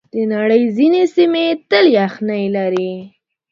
د نړۍ ځینې سیمې تل یخنۍ لري.